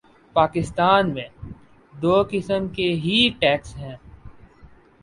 پاکستان میں دو قسم کے ہی ٹیکس ہیں۔